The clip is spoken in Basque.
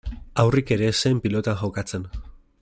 Haurrik ere ez pilotan jokatzen.